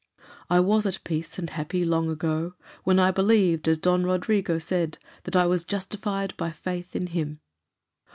"I was at peace and happy long ago, when I believed, as Don Rodrigo said, that I was justified by faith in him."